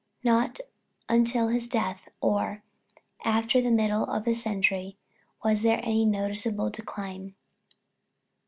Not until his death, or after the middle of the century, was there any noticeable decline.